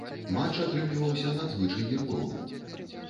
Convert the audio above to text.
Матч атрымліваўся надзвычай нервовым.